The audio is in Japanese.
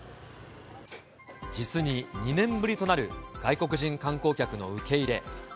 実に２年ぶりとなる外国人観光客の受け入れ。